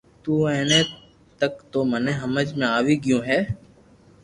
تو ايتي تڪ تو مني ھمج ۾ آوئي گيو ھي